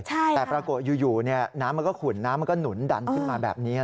แต่ปรากฏอยู่น้ำมันก็ขุ่นน้ำมันก็หนุนดันขึ้นมาแบบนี้